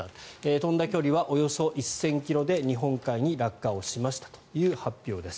飛んだ距離はおよそ１０００ｋｍで日本海に落下しましたという発表です。